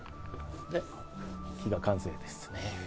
で、木が完成です。